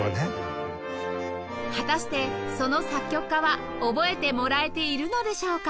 果たしてその作曲家は覚えてもらえているのでしょうか？